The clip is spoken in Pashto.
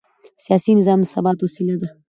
سیاسي نظام د ثبات وسیله ده